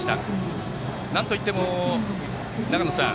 なんといっても、長野さん